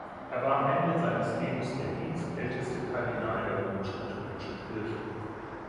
Er war am Ende seines Lebens der dienstälteste Kardinal der römisch-katholischen Kirche.